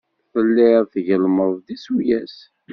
Telliḍ tgellmeḍ-d isuyas.